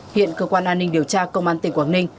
hiện cơ quan an ninh điều tra công an tỉnh quảng ninh